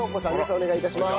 お願い致します。